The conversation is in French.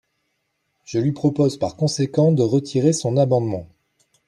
Je lui propose par conséquent de retirer son amendement.